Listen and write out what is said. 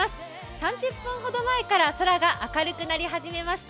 ３０分ほど前から空が明るくなり始めました。